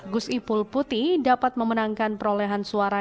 gus ipul putih dapat memenangkan perolehan suara